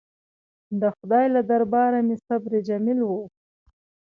د خدای له درباره مې صبر جمیل وغوښت.